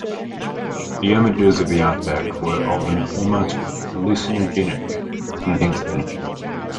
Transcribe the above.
The images of the Outback were of an almost hallucinogenic intensity.